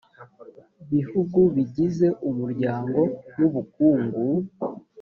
bihugu bigize umuryango w ubukungu